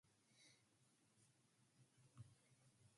In this description of the custom there seems to be some error.